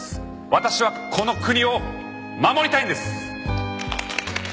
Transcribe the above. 私はこの国を守りたいんです！